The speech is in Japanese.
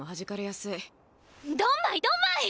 ドンマイドンマイ。